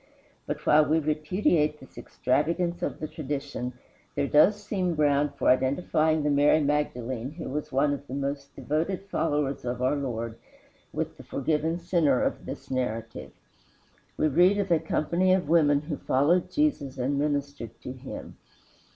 But while we repudiate this extravagance of the tradition, there does seem ground for identifying the Mary Magdalene who was one of the most devoted followers of our Lord with the forgiven sinner of this narrative. We read of a company of women who followed Jesus and ministered to him.